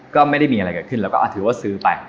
ก็ไม่ได้มีอะไรเกิดขึ้นแล้วก็ถือว่าซื้อไป